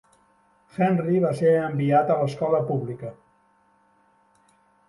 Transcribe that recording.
Henry va ser enviat a l'escola pública.